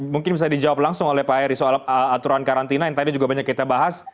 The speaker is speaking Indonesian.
mungkin bisa dijawab langsung oleh pak eri soal aturan karantina yang tadi juga banyak kita bahas